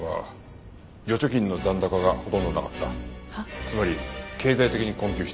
つまり経済的に困窮していた。